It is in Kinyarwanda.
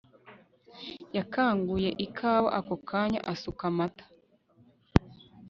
yakanguye ikawa ako kanya asuka amata